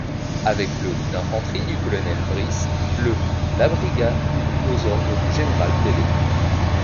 Avec le d'infanterie du colonel Brice, le la Brigade aux ordres du général Pellé.